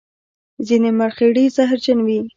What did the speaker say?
ځینې مرخیړي زهرجن وي